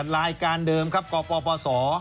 รายการเดิมครับกปปศ